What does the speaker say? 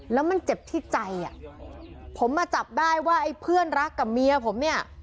แล้วมันเจ็บที่ใจอ่ะผมมาจับได้ว่าไอ้เพื่อนรักกับเมียผมเนี่ย